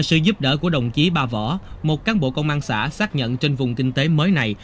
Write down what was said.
sự giúp đỡ của đồng chí ba võ một cán bộ công an xã xác nhận trên vùng kinh tế mới này